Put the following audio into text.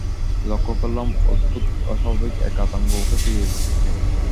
লক্ষ করলাম, অদ্ভূত অস্বাভাবিক এক আতঙ্ক ওকে পেয়ে বসেছে।